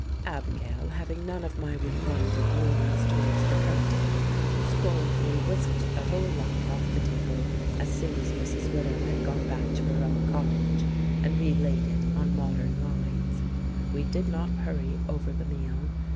Abigail, having none of my weak minded leanings towards "the primitive," scornfully whisked the whole lot off the table, as soon as Mrs. Widow had gone back to her own cottage, and re laid it on modern lines. We did not hurry over the meal.